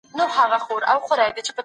انسانان بېلابېلې غوښتنې لري.